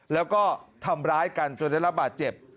แล้วก็ทำร้ายกันจนได้รับบาดเจ็บ